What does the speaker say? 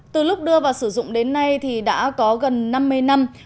từ lúc đưa và sử dụng đến nay thì đã có gần năm mươi năm